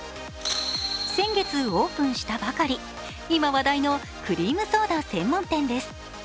先月、オープンしたばかり、今話題のクリームソーダ専門店です。